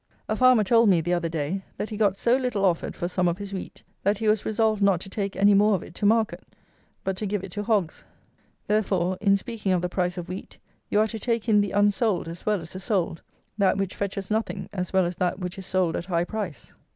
A farmer told me, the other day, that he got so little offered for some of his wheat, that he was resolved not to take any more of it to market; but to give it to hogs. Therefore, in speaking of the price of wheat, you are to take in the unsold as well as the sold; that which fetches nothing as well as that which is sold at high price.